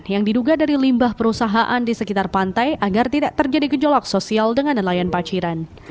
yang diduga dari limbah perusahaan di sekitar pantai agar tidak terjadi gejolak sosial dengan nelayan paciran